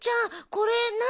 これ何？